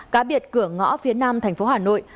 cá biệt cửa ngõ phía nam thành phố hà nội